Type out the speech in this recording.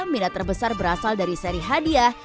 minat terbesar berasal dari seri hadiah